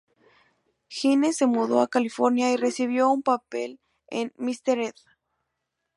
Hines se mudó a California y recibió un papel en "Mister Ed".